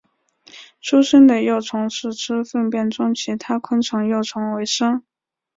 出生的幼虫是吃粪便中其他昆虫幼虫为生。